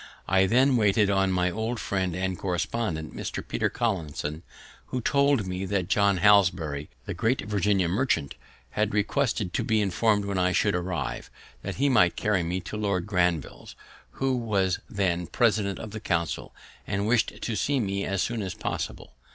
I then waited on my old friend and correspondent, Mr. Peter Collinson, who told me that John Hanbury, the great Virginia merchant, had requested to be informed when I should arrive, that he might carry me to Lord Granville's, who was then President of the Council and wished to see me as soon as possible.